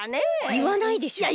いわないでしょ。